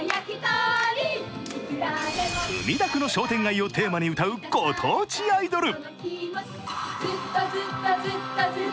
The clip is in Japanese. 墨田区の商店街をテーマに歌うご当地アイドル！